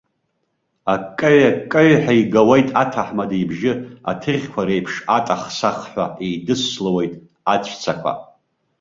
Акеҩ-акеҩҳәа игауеит аҭамада ибжьы, аҭыӷьқәа реиԥш атах-сахҳәа еидыслауеит аҵәцақәа.